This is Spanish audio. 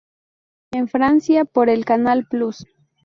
En Francia por el Canal Plus.